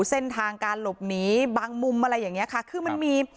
เส้นทางการหลบหนีบางมุมอะไรอย่างนี้ค่ะคือมันมี